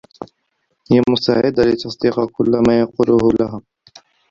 هي مستعدّة لتصديق كلّ ما يقوله لها.